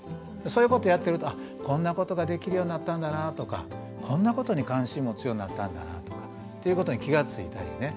そういうことやってるとあこんなことができるようになったんだなとかこんなことに関心持つようになったんだなとかっていうことに気が付いたりね。